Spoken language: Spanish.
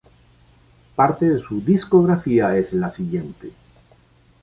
Parte de su discografía es la siguiente.